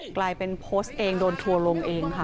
กลายเป็นโพสต์เองโดนทัวร์ลงเองค่ะ